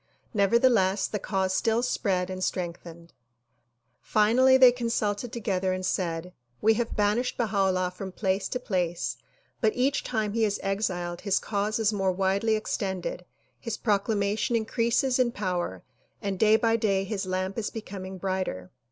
Nevertheless the cause still spread and strengthened. DISCOURSES DELIVERED IN NEW YORK 25 Filially they consulted together and said "We have banished Baha 'Ullah from place to place but each time he is exiled his cause is more widely extended, his proclamation increases in power and day by day his lamp is becoming brighter.